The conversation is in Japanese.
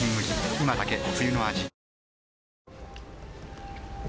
今だけ冬の味